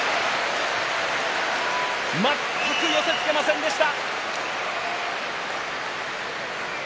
全く寄せつけませんでした。